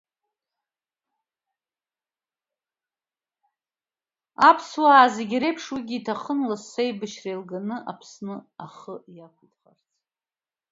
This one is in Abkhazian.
Аԥсуаа зегьы реиԥш уигьы иҭахын лассы аибашьра еилганы Аԥсны ахы иақәиҭхарц.